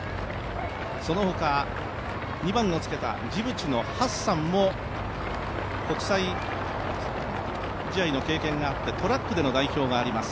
そのほか、２番をつけたジブチのハッサンも、国際試合の経験があって、トラックでの代表があります。